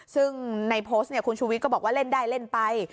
ซึ่งในโพสต์คุณชูวิทย์ก็บอกว่าเล่นได้เล่นไป